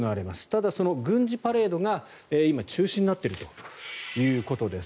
ただ、その軍事パレードが今、中止になっているということです。